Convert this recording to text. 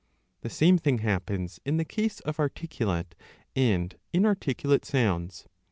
The same thing happens in the case of articulate and inarticulate sounds.